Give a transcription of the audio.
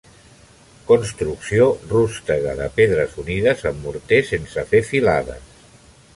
Construcció rústega de pedres unides amb morter sense fer filades.